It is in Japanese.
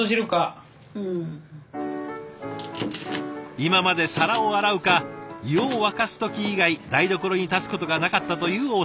今まで皿を洗うか湯を沸かす時以外台所に立つことがなかったという大迫さん。